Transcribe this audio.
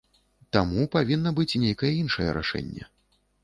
Таму павінна быць нейкае іншае рашэнне.